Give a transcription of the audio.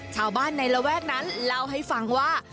ชาวบ้านในระแวกนั้นเล่าให้ฟังว่า